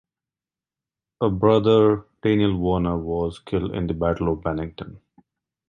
A brother, Daniel Warner, was killed in the Battle of Bennington.